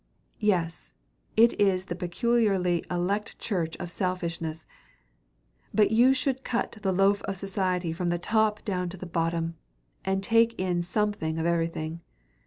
Yes, it is the peculiarly elect church of selfishness. But you should cut the loaf of society from the top down to the bottom, and take in something of everything.